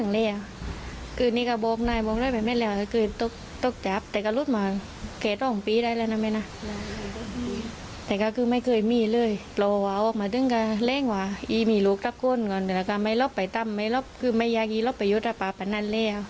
แล้วก็ไม่รอบไปทำไม่รอบคือไม่อยากให้รอบไปหยุดภาพประนันแล้ว